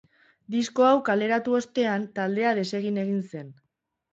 Disko hau kaleratu ostean, taldea desegin egin zen.